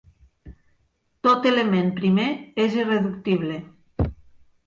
Tot element primer és irreductible.